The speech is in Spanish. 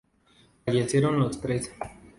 Fallecieron los tres.